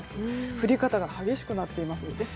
降り方が激しくなっています。